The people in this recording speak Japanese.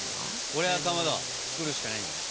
これはかまど作るしかないんじゃない？